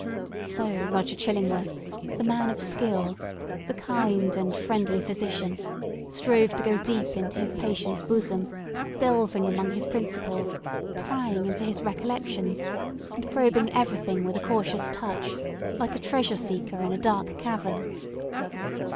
So Roger Chillingworth—the man of skill, the kind and friendly physician—strove to go deep into his patient's bosom, delving among his principles, prying into his recollections, and probing everything with a cautious touch, like a treasure seeker in a dark cavern.